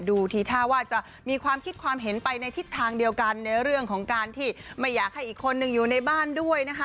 ดูทีท่าว่าจะมีความคิดความเห็นไปในทิศทางเดียวกันในเรื่องของการที่ไม่อยากให้อีกคนนึงอยู่ในบ้านด้วยนะคะ